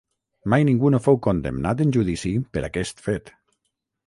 Mai ningú no fou condemnat en judici per aquest fet.